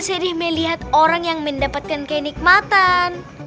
sedih melihat orang yang mendapatkan kenikmatan